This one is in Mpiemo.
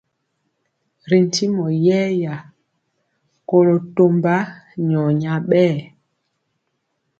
Ri ntimɔ yɛya koló tɔmba nyɔ nya bɛɛ.